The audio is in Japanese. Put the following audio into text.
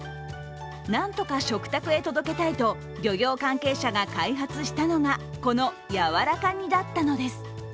なんとか食卓へ届けたいと漁業関係者が開発したのがこのやわらか煮だったのです。